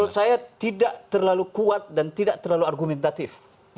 menurut saya tidak terlalu kuat dan tidak terlalu argumentatif